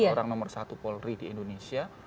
orang nomor satu polri di indonesia